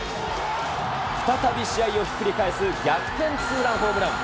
再び試合をひっくり返す逆転ツーランホームラン。